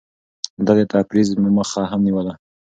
ده د تفريط مخه هم نيوله.